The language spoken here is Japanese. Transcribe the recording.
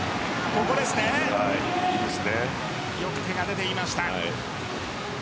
よく手が出ていました。